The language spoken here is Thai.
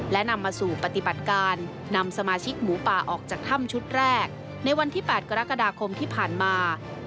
และนำมาสู่ปฏิบัติการนำสมาชิกหมูป่าออกจากถ้ำชุดแรกในวันที่๘กรกฎาคมที่ผ่านมา